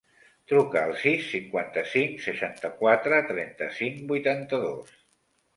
Truca al sis, cinquanta-cinc, seixanta-quatre, trenta-cinc, vuitanta-dos.